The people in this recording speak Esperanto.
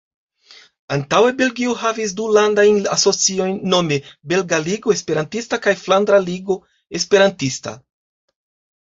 Antaŭe Belgio havis du Landajn Asociojn, nome Belga Ligo Esperantista kaj Flandra Ligo Esperantista.